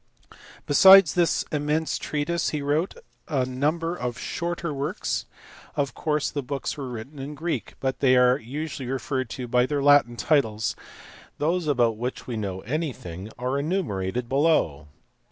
Besides this immense treatise he wrote numerous shorter APOLLONIUS. 81 works ; of course the books were written in Greek, but they are usually referred to by their Latin titles : those about which we now know anything are enumerated below.